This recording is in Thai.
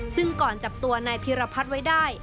ซึ่งก่อนจับตัวนายพีรพัฒน์ไว้ได้